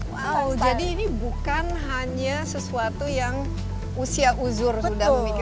wow jadi ini bukan hanya sesuatu yang usia uzur sudah memiliki